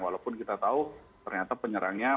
walaupun kita tahu ternyata penyerangnya